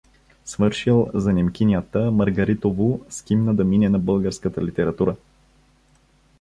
Свършил за немкинята, Маргаритову скимна да мине на българската литература.